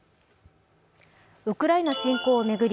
ウクライナ侵攻を巡り